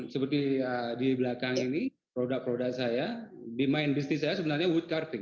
seperti di belakang ini produk produk saya di mind bisnis saya sebenarnya wood carving